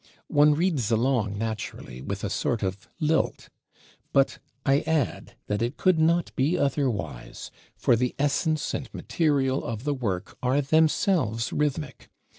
One reads along naturally with a sort of lilt. But I add, that it could not be otherwise; for the essence and material of the work are themselves rhythmic.